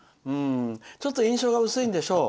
ちょっと印象が薄いんでしょう。